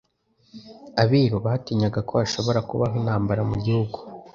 Abiru batinyaga ko hashobora kubaho intambara mu gihugu